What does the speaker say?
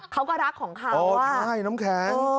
เค้าก็รักของเค้าว่า